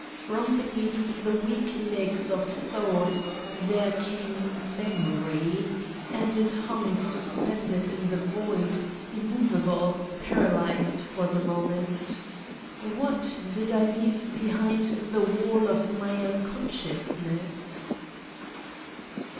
From beneath the weak legs of Thought there came Memory and it hung suspended in the void, immovable, paralyzed for the moment. What did I leave be hind the wall of my Unconsciousness?